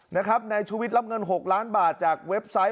นายชุวิตรับเงิน๖ล้านบาทจากเว็บไซต์